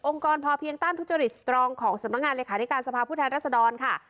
กรพอเพียงต้านทุจริตสตรองของสำนักงานเลขาธิการสภาพผู้แทนรัศดรค่ะ